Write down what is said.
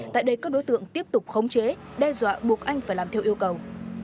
tại đây các đối tượng tiếp tục khống chế đe dọa buộc anh phải làm theo yêu cầu